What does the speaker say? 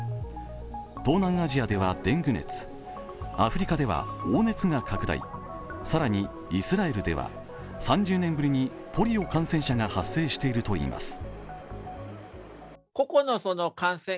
東南アジアではデング熱、アフリカでは黄熱が拡大、更にイスラエルでは、３０年ぶりにポリオ感染者が発生しているといいます。